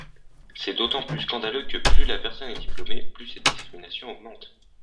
C’est d’autant plus scandaleux que plus la personne est diplômée, plus cette discrimination augmente.